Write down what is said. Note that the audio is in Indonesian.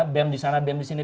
bem di sana bem di sini